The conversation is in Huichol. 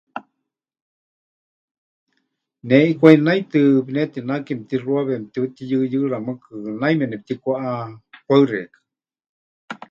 Ne ʼikwai naitɨ pɨnetinake mɨtixuawe, mɨtiutiyɨyɨɨra, mɨɨkɨ naime nepɨtikwáʼa. Paɨ xeikɨ́a.